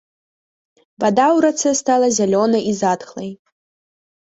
Вада ў рацэ стала зялёнай і затхлай.